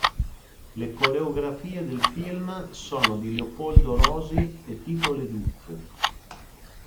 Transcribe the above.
Le coreografie del film sono di Leopoldo Rosi e Tito LeDuc.